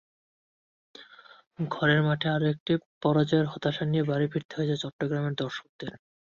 ঘরের মাঠে আরও একটি পরাজয়ের হতাশা নিয়ে বাড়ি ফিরতে হয়েছে চট্টগ্রামের দর্শকদের।